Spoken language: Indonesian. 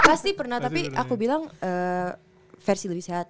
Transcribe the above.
pasti pernah tapi aku bilang versi lebih sehat